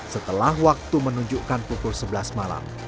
setelah waktu menunjukkan pukul sebelas malam